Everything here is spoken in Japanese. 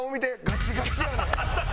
ガチガチやねん！